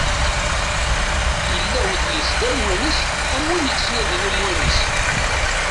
Illa udlis d amwanes a wid ittnadin amwanes.